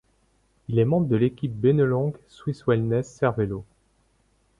Il est membre de l'équipe Bennelong SwissWellness-Cervelo.